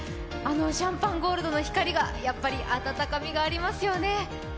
あのシャンパンゴールドの光がやっぱり温かみがありますよね。